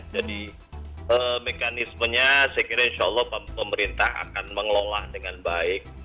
jadi mekanismenya saya kira insya allah pemerintah akan mengelola dengan baik